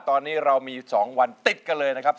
ตอนนี้เรามี๒วันติดกันเลยนะครับ